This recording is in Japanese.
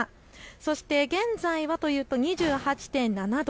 そして現在はというと２８．７度。